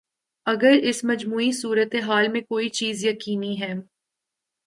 اگر اس مجموعی صورت حال میں کوئی چیز یقینی ہے۔